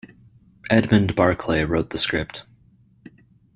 Edmund Barclay wrote the script.